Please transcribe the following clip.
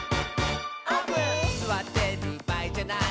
「すわってるばあいじゃない」